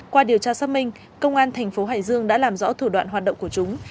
qua điều tra xác minh công an tp hcm đã làm rõ thủ đoạn hoạt động của chúng